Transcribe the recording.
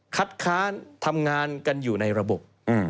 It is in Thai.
คัดค้านทำงานกันอยู่ในระบบ